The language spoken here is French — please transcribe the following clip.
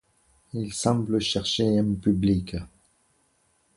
Ils semblent chercher un public.